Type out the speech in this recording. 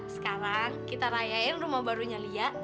sekarang kita rayain rumah barunya lia